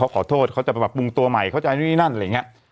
เขาจะปรับปรุงตัวใหม่เขาจะนี่นั่นอะไรแบบนั้น